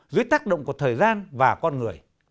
dưới tác động của thời gian và con người